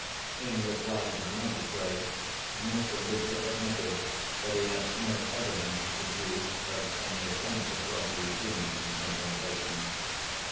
In reply to the magistrate, Mr. Luker admitted that he had no evidence to produce of any attempt at robbery being in contemplation.